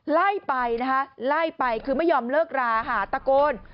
ไล่ไปนะคะไล่ไปคือไม่ยอมเลิกราค่ะตะโกน